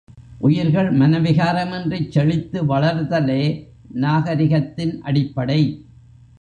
உயிர்கள் மன விகாரமின்றிச் செழித்து வளர்தலே நாகரிகத்தின் அடிப்படை.